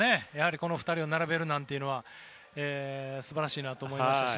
この２人を並べるなんていうのは素晴らしいなと思いましたし。